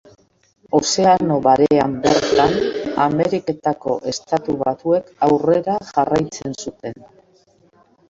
Ozeano Barean bertan, Ameriketako Estatu Batuek aurrera jarraitzen zuten.